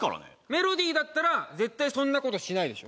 メロディだったら絶対そんなことしないでしょ？